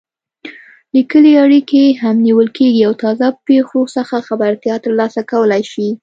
لیکلې اړیکې هم نیول کېږي او تازه پېښو څخه خبرتیا ترلاسه کولای شي.